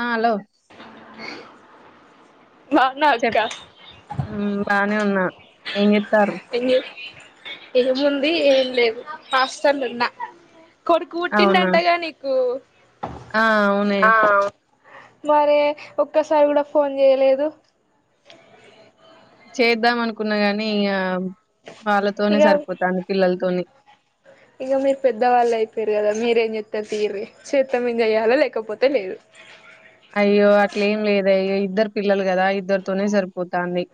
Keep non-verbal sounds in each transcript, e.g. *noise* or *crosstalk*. ఆ హలో బాగున్నా అక్క చెప్ హ్ బానే ఉన్నా ఏంచే ఎంది ఏముంది. ఏం లేదు. హాస్టలున్నా. కొడుకు అవునా పుట్టిండంటగా నీకు. ఆ అవునే. మరే ఒక్కసారి కూడా ఫోన్ చేయలేదు. చేద్దాం అనుకున్న గాని ఇగా వాళ్ళతోనే ఇక సరిపోతాంది పిల్లలతోని. ఇక మీరు పెద్ద వాళ్ళు అయిపోయారు కదా మీరేం చెత్తర్ తీరీ చేత్త ఏం చెయలో లేకపోతే లేదు అయ్యో అట్లేం లేదు అయ్యో ఇద్దరు పిల్లలు కదా ఇద్దరితోనే సరిపోతాంది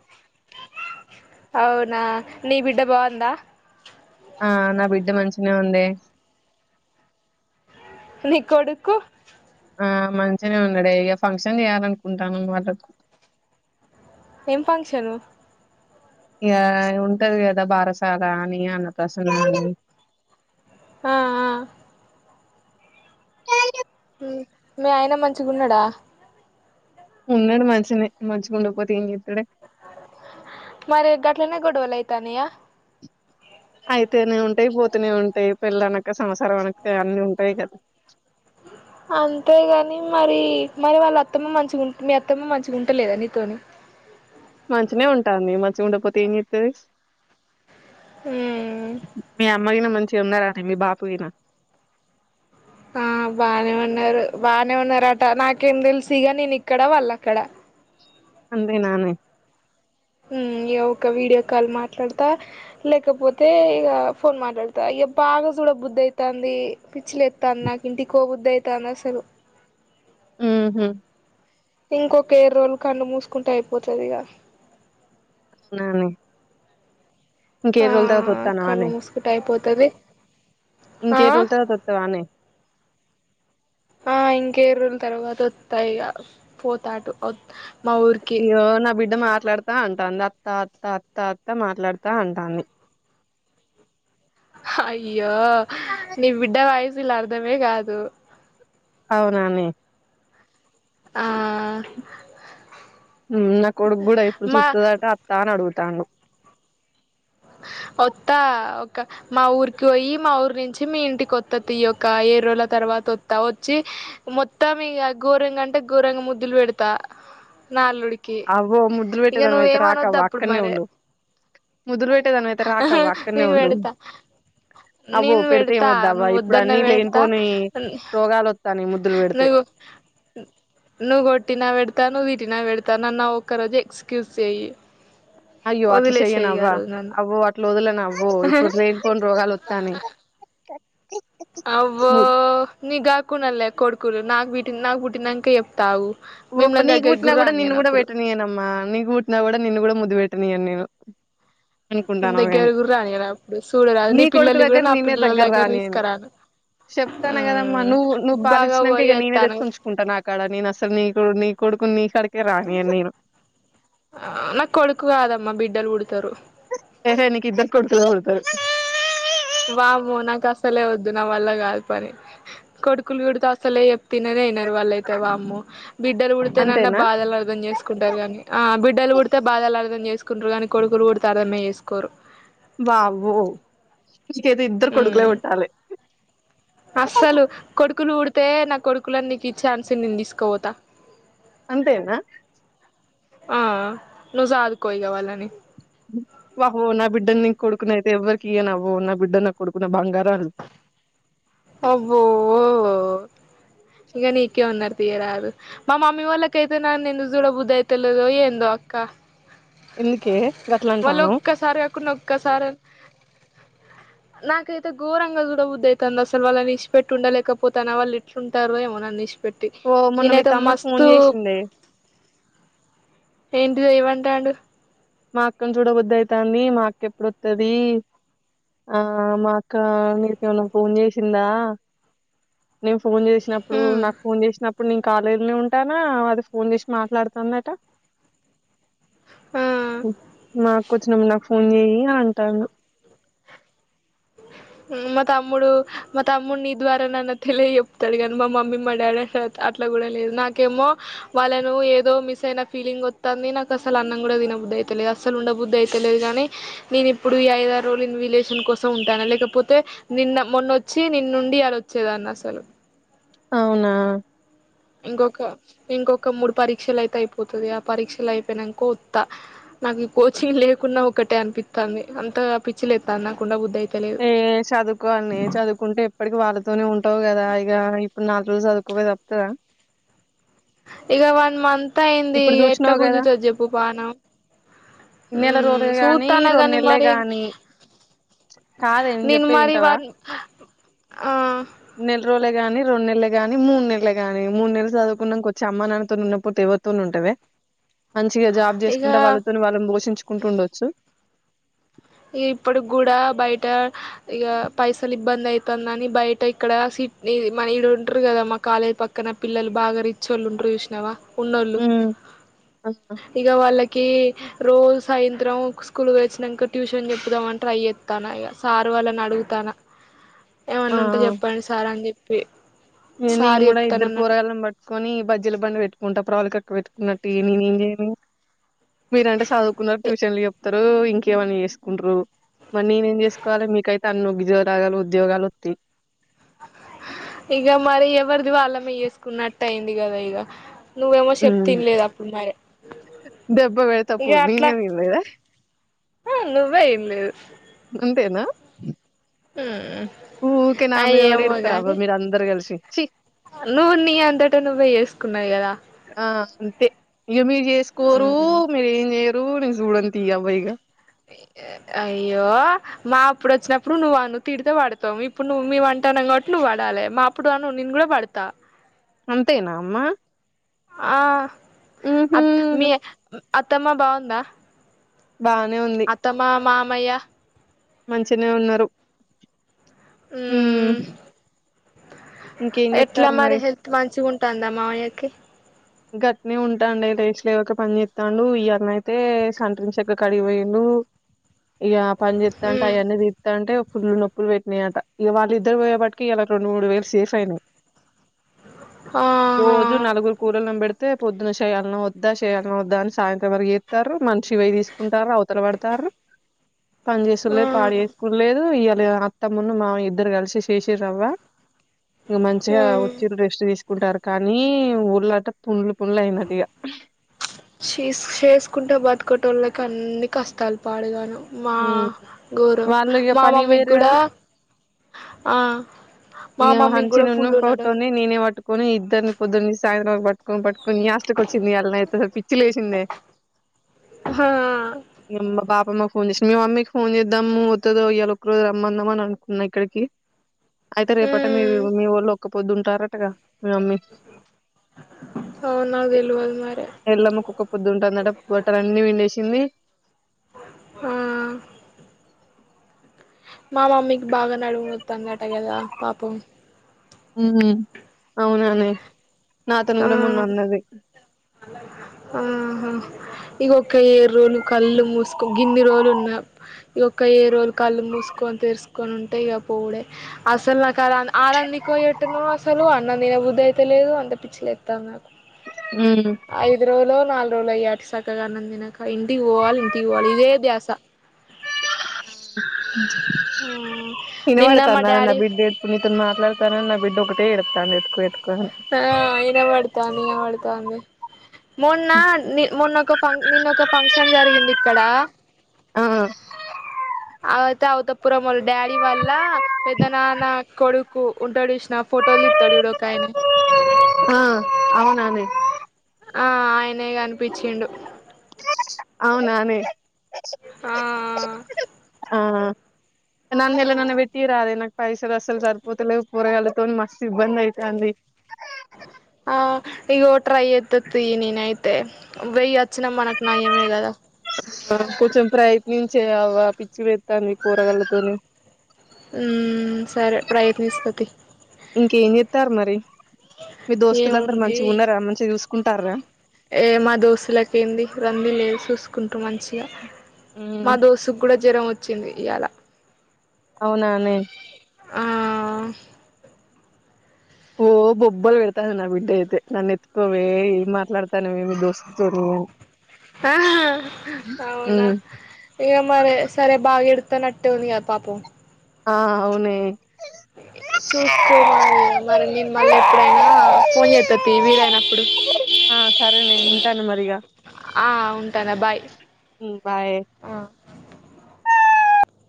అవునా నీ బిడ్డ బాగుందా ఆ నా బిడ్డ మంచిినే ఉంది నీ కోడుకు ఆ మంచినే ఉన్నాడే ఇగ ఫంక్షన్ చేయాలనుకుంటాను వాళ్ళకు ఏం ఫంక్షను ఇగ ఉంటది కదా భారసాల అని అన్నప్రాసన అని ఆ ఆ హ్ మీ ఆయిన మంచి గున్నడా ఉన్నాడు మంచినే మంచి ఉండకపోతే ఏం చెత్తడే మరి గట్లనే గొడవలు అయితా నయా అయితేనే ఉంటాయి పోతూనే ఉంటాయి, పెళ్ల అనక సంవసారం అనక అన్నీ ఉంటాయి కదా అంతేగాని మరి మరి వాళ్ళ అత్తమ్మ మంచిగా ఉంట, మీ అత్తమ్మ మంచిగా ఉంటలేదా నీతోని. మంచినే ఉంటాంది. మంచిగా ఉండపోతే ఏం చెత్తది. ఉమ్ మీ అమ్మ గినా మంచ్ ఉన్నారా అండి మీ బాపు గీనా ఆ బానే ఉన్నారు బానే ఉన్నారట నాకేం తెలుస్ ఇగా నేను ఇక్కడ వాళ్ళు అక్కడ అందే నానే ఉమ్ ఇగ ఒక వీడియో కాల్ మాట్లాడతా లేకపోతే, ఇగ ఫోన్ మాట్లాడతా, ఇగ బాగా చూడ బుద్ధి అయితాంది. పిచ్చిలెత్తంది నాకు ఇంటికో బుద్ధి అయితాంది అసలు. మ్మ్ హు ఇంకొక ఏర్ రోజులు కండ్లు మూసుకుంటే అయిపోతది ఇగ అవునా నే ఇంక ఏర్ రోజుల తరువాత తోత్తనావానే తది ఇంకే రోల్ తర్వాత వత్తావా నే ఆ ఇంకే రోజుల తర్వాత వత్త ఇగ పోతాటు మా ఊరికి యియ్యో నా బిడ్డ మాట్లాడతా అంటా అందా అత్ త్త త్త అత్త అత్త మాట్లాడుతా అంటాంది హా యో ఆ ని బిడ్డ వయి విలా అర్ధమే కాదు అవునా నే ఆ హు నా కొడుకు కూడా ఇప్పుడు మా చూస్తుదట అత్తా అని అడుగు తాండు వత్తా ఒక మా ఊరికి పోయి మా ఊరు నుంచి మీ ఇంటికిొత్త తీ ఒక ఏడు రోజుల తర్వాత వత్తా వచ్చి మొత్తా మీ గోరంగ అంటే గోరంగ ముద్దులు పెడతా నా అల్లుడికి అవ్ో ముద్దులు ఇగ పెట్టేదానివి అయితే నువ్వేం రాక అవ అక్కడనే ఉండు ముద్దులు పెట్టేదానివి అయితే అహ రాకవ్వ అక్కడనే ఉండు అవ్వో నెన్ పెడితే పెడతా ఏమొద్దవ్వ నువ్ ఇప్పుడు ఒద్దన్న అన్ని వెడతా లేనిపోని రోగాలు వత్తాన్నాయి ముద్దులు పెడితే నువ నువ్ కొట్టిన పెడతా నువ ట్టినా పెడతా నన్ ఆ ఒక్క రోజు ఎక్స్క్యూజ్ చేయిి అయ్యో అట్లా చెయ్యనవ్వవా అవ వో అట్ల వద్లను అవ్వో ఇప్పుడు రేనుపోని రోగాలు వస్తాని అవ్వో నీ కాకునళ్ లే కొడుకులు నాకు పుట్టి నాక పుట్టినాక చెప్తాను ఆగు ఓడమ్మ మిమ్మల్ని నీ దగ్గరికి ఊటినా *unintelligible* కూడా నిన్న రానియను కూడా అప్పుడు వెేటనయేనమ్మా నీ ఊట్నా కూడా నిన్ను కూడా ముందు వెట నీ అన్నయ్య నేను అనుకుంటానవు కని దగ్గరికి కూడా రానియను అప్పుడు చూడరాదు నీ కొడుకు పిల్లల్ని కూడా దగ్గర నా నేనె పిల్లల దగ్గర రాన్ నేను తీసుకురాను చెప్తాను కదమ్మా నువ్వు నువ్వు బాగా పాలించినాక ఓవర్ ఇక నేనే తెచ్చి చేస్తానవు ఉంచుకుంటను అక్కడ నేను అస నీ కొడుకు నీ కాడికే రానియ్యను ఆ నా కొడుక్ కాదమ్మ బిడ్డల్ పుడతారు ఏహ నీక్ ఇద్దకు కొడుకులే పుడతారు వామ్మె నాకు అసలే వద్దు నా వల్ల కాదు పని కొడుకులు పుడుత అసలే తినదె యినరు వాళ్ళయితే వామ్మో బిడ్డలు పుడితేనన్నా అంతేనా బాధలు అర్థం చేసుకుంటారు కాని ఆ బిడ్డలు పుడితే బాధల అర్ం అర్థం చేసుకుంట్రు కానీ కొడుకులు పుడతా అర్థమే చేసుకోరు వావ్వో మీకైతే ఇద్దరు కొడుకులే ఉమ్ పెట్టాలె అస్సలు కొడుకులు ఊడితే నా కొడు క్కులన్నీకి ఛాన్స్ ఇ నీన్ తీసుకవోతా అంతేనా ఆ నువ్ సాదుకోయిగ వాళ్లని కొడుకున్ అయితే ఎవ్వరికి ఇయ్యనవ్వో నా బిడ్డ నా కొడుకు నా బంగారాలు అబ్బో ఇగ నీకే ఉన్నర్ తీయరాదు. ఎందుకే వాళ్ళు గట్లంటానవ్ ఒక్కసారి కాకుండా ఒక్కసారి నాకైతే గోరంగ జూడ బుద్ది అయితంది అస్ అసలు వాళ్ళని ఇడ్సిపెట్ ఉండ లేకపోతే అ వాళు ఎట్లుంటారు ఏమో నన్ పెట్టి ఓ మొన్న నేను మీ ఏదో తమ్ముడు ఫోన్ మస్తు చేసిండే ఎంటి దె ఏం అంటాండు మా అక్కను చూడబొద్దయితాంది మా అక్కెప్పుడొస్తుది ఆ మా అక్క మీకేమన్న ఫోన్ చేసిందా నేను ఫోన్ చేసినప్పుడు నాక్ ఫోన్ చేసినప్పుడు ఇప్పుడు నేను కాలేజీలో ఉంటాన అది ఫోన్ చేసి మాట్లాడుతుందట ఆ హ్మ్ మా కుచ నంనా ఫోన్ జేయి అంటాండు మ్మ్ మా తమ్ముడు మా తమ్ముడు నీ ద్వారా నాన్న తెలియ చెప్తాడు కానీ మా మమ్మీ మా డాడీ అ అట్లా కూడా లేదు. నాకేమో వాళ్ళను ఏదో మిస్ అయిన ఫీలింగ్ వత్తాంది. నాకు అసలు అన్నం కూడా తినబుద్ధి అయితలేదు అసలు ఉండబుద్ధి అయితలేదు గానీ, నేను ఇప్పుడు ఈ ఐదా ఆరు రోజులు ఇన్ విలేషన్ కొస్ సో ఉంటాన లేకపోతే నిన్న మొన్నొచ్చి నిన్నుండి అళ వచ్చేదాన్ని అసలు అవునా ఇంకొక ఇంకొక మూడు పరీక్షలు అయితే అయిపోతది. ఆ పరీక్షలు అయిపోయినాం కోత్తా నాకు కోచింగ్ లేకున్నా ఒకటే అనిపిత్తంది, అంత పిచ్చిలేత్తన్ నాకు ఉండబుద్దు అయి ఏ చదువుకోని చదువుకుంటే ఎప్పటికి వాళ్ళతోనే ఉం ట్టవు కదా ఇగ ఇప్పుడు నాలుగు రోజు జదువుకు వోన త్తదా ఇగ వన్ మం త్ అయింది ఎట్లా చూసినావు కదా గుంజుతది, జెప్పు పానం నెల మ్మ్ రోజులే గాని సూత్తనవ్ రెండు గాని నెలలే మరి గాని కాదే నేను చెప్పేది మరి ఇంటవా వార్ని ఆ నెల గాని రెండు నెల్లే గానీ, మూడు నెల్లే గాని మూన్నెల్లు చదువుకున్నంక వచ్చి అమ్మా నాన్నతో ఉన్నకపోతే ఎవర్ తోనె ఉంటవే మంచిగా జాబ్ ఇగ చేసుకుంట వాళ్ళతోని వాళ్ళని పోషించుకుంటు ఉండొచ్చు ఇప్పుడుగ్గూడా బయట ఇగ పైసలు ఇబ్బంది అయితాందని, బయట ఇక్కడ సిట్ ఇ మన ఇడు ఉంటురు కదా మా కాలేజ్ పక్కన పిల్లలు బాగా రిచ్ వోళ్ళు ఉంటురు చూసినావా. ఉన్నోళ్ళు ఉమ్ ఆ ఇగ వాళ్ళ కే రోజు సాయంత్రం స్కూల్ వోయి వచ్చినాంక ట్యూషన్ చెప్పుదామని ట్రై చేత్తన ఇగ సార్ వాళ్ళని అడుగుతాన ఏమన్నా ఉంటే జెప్పండి సార్ అని జెప్ పే ఏం నేను కూడా ఇద్దరు పోరగాల్లన్ బట్ కొని బజ్జీల బండి వెట్టుకుంటా ప్రవళికక్క వెట్టుకున్నట్టు ఏం ఏం ఏమిజేయను మీరంటే సదువుకున్నారు ట్యూషన్లు ఎప్పు త్తరో ఇంకేమన్నా చేసుకుంట్రు మరి నేనేం చేసుకోవాలి. మీకైతే అన్ని ఉగ్గిజోరాలు ఉద్యోగాలు వత్తయ్. ఇగ మరి ఎవ్వరిది వాళ్ళమే వేసుకున్నట్టు ఐంది గదా ఇగ నువ్వేమో చెప్తే ఉమ్ ఇన్లేదు అప్పుడు మరి దెబ్బ పెడతా ఇగ పోరి అట్లా నేనేం వినలేదా ఆ నువ్వే ఇన్లేదు. నా ఊ ఊ ఊకె నా మీద వాడి ఇడతార అవ మీర అందరు కలిసి ఛీ నువ్వు నీ అంతట నువ్వే వేసుకున్నయి కదా ఆ అంతే మీరు చేసుకోరు మీరు ఏం చేయ రు నేను జూడనివితీ యవ్వ ఇగా అయ్యో మా అప్పుడు వచ్చినప్పుడు నువ్వు అను తిడితే వడతాం. ఇప్పుడు నువ్వు మీ వంటనం కాట్టి నువ్వు వడాలె, మా అప్పుడు అను నేను కూడా వడతా. అంతేనా అమ్మా ఆ ఉహూ అప్ మీ అత్తమ్మ బాగుందా బానే ఉంది మయా మంచినే ఉన్నారు ఊ ఉమ్ ఇంకేం ఎట్లా చేత్తారు మరి హెల్త్ మంచి ఉంటాందా మావయ్యకి గట్టినే ఉంటాడి రస్లుక పని చెస్తాండు యాల్నా అయితే సంట్రంచక కడిగిపోయిళ ఇక పని చేస్తాంట మ్మ్ అవన్నీ తస్తా అంటే ఫుల్లు నొప్పులు పెట్టినాయియట ఇకళ్ళ ఇద్దరు పోయేప్పటికి ఇలా రెండు మూడు వేలు సేఫ్ అయినయి ఆహా అన్నం పెడితే పొద్దున చేయాలన్నా వద్దా చేయాల వద్దా అని సాయంత్రం వర ఇస్తారు మంచివ తీసుకుంటారు అవతల పడతారు పని చేసులేదు పాడి మ్మ్ చేసులేదు ఇ అత్తమ్ముందు మామ ఇద్దరు కలిసి చేసిరవ్వ ఇ మంచిగా మ్మ్ వచ్చి రెస్ట్ తీసుకు కుంటారు కానీ ప శ శేష కుంఠాబద్ ఇక్కటిోళ్ళకి అన్ని కష్టాలు పాడగాను మా హ్మ్ గౌరవం వాళ్ళు ఇగ మా పనికి మమ్మీకి పోయిర్రు కూడా కదా ఆ ఇ మా మమ్మీకి హన్స కూడా నున్న ఫుల్ ఉన్నది పోటుోనే నేనే ఒటు ని ఇద్దరిని పొద్దుని సాయంత్రం పట్టుకొని పట్టుకుొని ఆస్తికి వచ్చింది వాళ్ళని అయితే పిచ్చి లేసిిందే హా మా అమ్మ ఫోన్ చేసిా మేము అమ్మకి ఫోన్ చేద్దాము మత్తదో ఇయ్యి ఒక రోజు రమ్మందాం అని అనుకున్నా ఇక్కడికి అయితే రేపుఅట మీరు ఉమ్ మీవోల్లు వొక పొద్దుంటారటగా మీ మమ్మీ అవును నాకు తెల్వదు మరి ఎల్లమ్మకు ఒక్క పొద్దుంటుందట బట్టలు అన్నీ విండేసి తీమి ఆ మా మమ్మీకి బాగా నడుము నోత్తందట గదా పాపం ఉహు అవుననే నాతోను ఆ కూడా మొన్న అన్నది ఆహ ఇగ ఒక్క ఏడు రోజులు కళ్ళు మూసుకో గిన్ని రోజులు ఉన్న ఇక ఒక్క ఏడు రోలు కళ్ళు మూసుకొని తెరుసుకొని ఉంటే ఇక పోవుడే అసలు నాకు అ అ రంధికోయేటునో అసలు అన్నం తిన బుద్ధి అయితేలేదు అంత పిచ్చి లేతంది నాకు ఉమ్ ఐదు రోలో నాలుగు రోలు అయ్యే సక్కగా అన్నం తినక ఇంటికి వోవాలి ఇంటికి వోవాలి ఇదే ద్యాస మా ఇనవాడుతాందనే నా డాడీ బిడ్డ ఏడుతుంది నీతో మాట్లాడతాన నా బిడ్డ ఓకు ఒక్కటే ఏడుతాంది ఎత్తుకో ఎత్తుకో అని ఆ ఇనవడుతాంది ఇనవడుతాంది మొన్న ని మొన్న ఒక ఫం నిన్న ఒక ఫంక్షన్ జరిగింది ఇక్కడ ఆ అవుతే అవుత పురముల్ డాడీ వల్ల పెద్దనాన్న కొడుకు కు ఉంటడిసిన ఫోటోలు త్తితాడు చూడు ఒక్క కాయనే ఆ అవునానే ఆ ఆయనే కనిపించిండు అవునానే ఆ ఆ నన్ను వెళ్ల నన్న పెట్టియా రాదే నాకు పైసలు అసలు సరిపోతాలేవు పోరగాళ్ల తోని మస్తు ఇబ్బంది అయ్యితంది ఆ ఇగో ట్రై చేత్తే అత్తాయి. ఇగ నేను అయితే వెయ్యి వచ్చిన మనకు నయ్యామే గదా కొంచెం ప్రయత్నిం చేయవ్వ పిచ్చి లేత్తంది. ఈ పోరగాళ్లతోని ఉ సరే ప్రయత్నిస్తా తి ఇంకేం చెత్తారు మరి మీ దోస్తులందరూ ఏముంది మంచిగా ఉన్నరా మంచిగా చూసు కుంటారా ఏ మా దోస్తులకి ఏంది రంధి లేదు చూసుకుంటారు. మంచిగా మా మ్మ్ దోస్తుకు కూడా జ్వరం వచ్ చ్చింది ఇయ్యలా అవునా నేను ఆ ఓ బొబ్బలు పెడతంది. నా బిడ్డ అయితే నన్ను ఎత్కోవే ఏం మాట్లాడతాన్నవే మీ దోస్తుతోని ఆహా అవునా మ్మ్ ఇగా మరి సరే బాగా ఏడు త్తనట్టే ఉంది. గా పాపం ఆ అవునే చూసుకోమాలిగా మరి నేను మళ్ళీ ఎప్పుడైనా ఫోన్ చేత్త తి వీలయినప్పుడు ఆ సరేనే ఉంటాను మరిగా ఆ ఉంటాన్న బాయ్ మ్మ్ బాయే ఆ